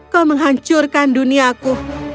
kau menghancurkan duniaku